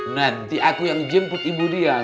nanti aku yang jemput ibu dia